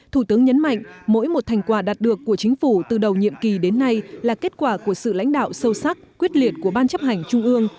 thủ tướng nhấn mạnh mỗi một thành quả đạt được của chính phủ từ đầu nhiệm kỳ đến nay là kết quả của sự lãnh đạo sâu sắc quyết liệt của ban chấp hành trung ương